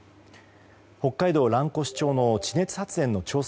北海道蘭越町の地熱発電の調査